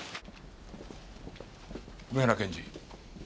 梅原検事。